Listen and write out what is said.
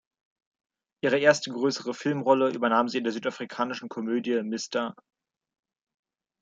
Ihre erste größere Filmrolle übernahm sie in der südafrikanischen Komödie "Mr.